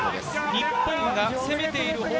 日本が攻めているほう。